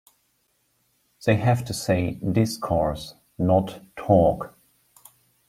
They have to say 'discourse', not 'talk'.